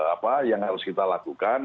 apa yang harus kita lakukan